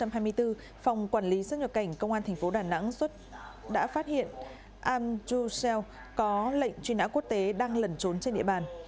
một mươi hai năm hai nghìn hai mươi bốn phòng quản lý sức nhập cảnh công an tp đà nẵng xuất đã phát hiện amjusel có lệnh truy nã quốc tế đang lẩn trốn trên địa bàn